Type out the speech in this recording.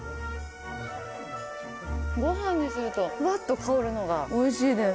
ごはんにするとフワッと香るのがおいしいです。